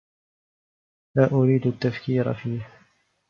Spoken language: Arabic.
لا أريد التّفكير فيه.